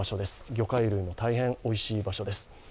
魚介類も大変、おいしい場所です